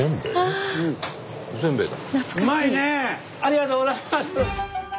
ありがとうございます。